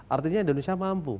artinya indonesia mampu